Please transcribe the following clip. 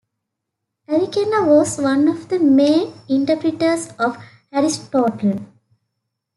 Avicenna was one of the main interpreters of Aristotle.